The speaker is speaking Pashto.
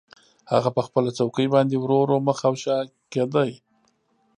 هغه په خپله څوکۍ باندې ورو ورو مخ او شا کیده